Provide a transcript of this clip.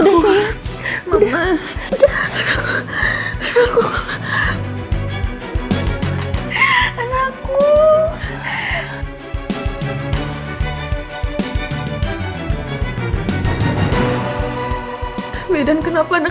kepalanya udah tampak bu